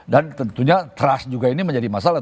dan tentunya trust juga ini menjadi masalah